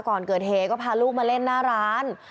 ก่อนเกิดเหตุก็พาลูกมาเล่นหน้าร้าน